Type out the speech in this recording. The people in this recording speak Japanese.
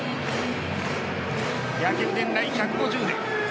野球伝来１５０年